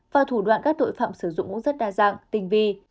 và thủ đoạn các tội phạm sử dụng cũng rất đa dạng tinh vi